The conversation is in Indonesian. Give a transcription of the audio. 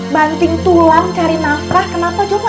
banting tulang cari nafrah kenapa coba